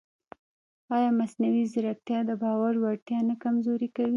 ایا مصنوعي ځیرکتیا د باور وړتیا نه کمزورې کوي؟